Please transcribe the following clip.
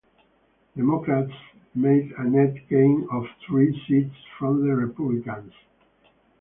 Democrats made a net gain of three seats from the Republicans.